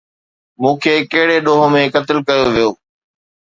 مون کي ڪهڙي ڏوهه ۾ قتل ڪيو ويو؟